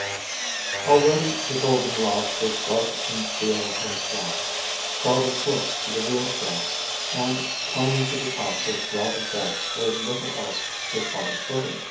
Already the Goldenrods were bright in field and swamp, crowding close to the wheel tracks and climbing to the tops of gravel banks where little else could find footing.